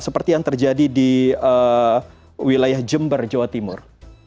seperti yang terjadi di wilayah jember jawa timur